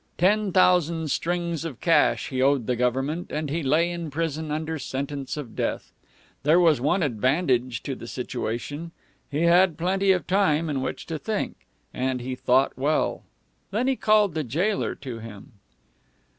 Ten thousand strings of cash he owed the government, and he lay in prison under sentence of death. There was one advantage to the situation he had plenty of time in which to think. And he thought well. Then called he the jailer to him.